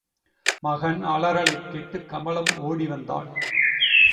மகன் அலறலைக் கேட்டு கமலம் ஓடிவந்தாள்.